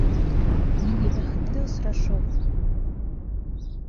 Ниндәй бәхетле осрашыу!